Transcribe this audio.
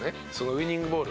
ウイニングボール